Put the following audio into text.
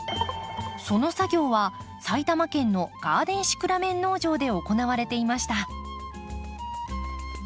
その作業は埼玉県のガーデンシクラメン農場で行われていました。